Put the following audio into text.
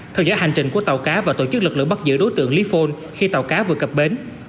theo dõi hành trình của tàu cá và tổ chức lực lượng bắt giữ đối tượng lý phun khi tàu cá vừa cập bến